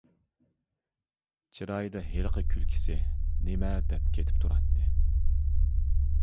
چىرايىدا ھېلىقى كۈلكىسى-نېمە دەپ كېتىپ تۇراتتى؟ !